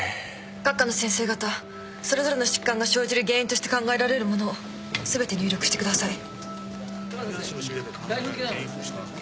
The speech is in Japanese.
各科の先生方それぞれの疾患が生じる原因として考えられるものを全て入力してください。